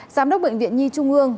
giám đốc bệnh viện nhi trung ương